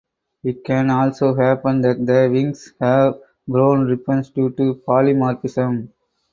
It can also happen that the wings have brown ribbons due to polymorphism.